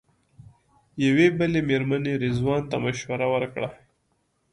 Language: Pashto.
یوې بلې مېرمنې رضوان ته مشوره ورکړه.